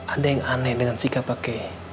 ada yang aneh dengan si kakak